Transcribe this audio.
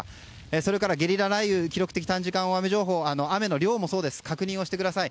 それからゲリラ雷雨記録的短時間大雨情報雨の量もそうです確認もしてください。